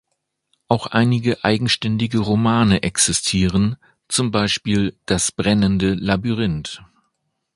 Auch einige eigenständige Romane existieren, zum Beispiel "Das brennende Labyrinth".